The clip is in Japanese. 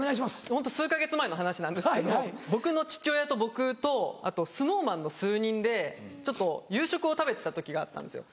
ホント数か月前の話なんですけど僕の父親と僕とあとＳｎｏｗＭａｎの数人でちょっと夕食を食べてた時があったんですよ。